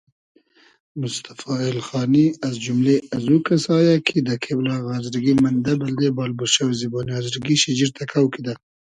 موستئفا اېلخانی از جوملې ازوکئسا یۂ کی دۂ کېبلاغی آزرگی مئندۂ بئلدې بال بورشئوی زیبۉنی آزرگی شیجیر تئکۆ کیدۂ